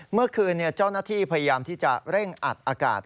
เมื่อคืนเจ้าหน้าที่พยายามที่จะเร่งอัดอากาศ